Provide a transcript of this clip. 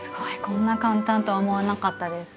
こんな簡単とは思わなかったです。